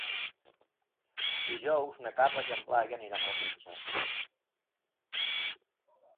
Dijous na Carla i en Blai aniran al metge.